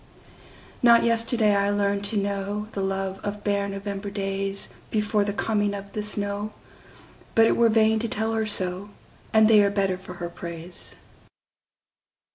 Not yesterday I learned to knowThe love of bare November daysBefore the coming of the snow, But it were vain to tell her so, And they are better for her praise.